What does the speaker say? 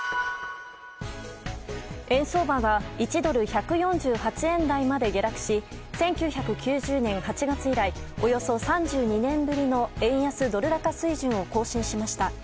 円相場が１ドル＝１４８円台まで下落し１９９０年８月以来およそ３２年ぶりの円安ドル高水準を更新しました。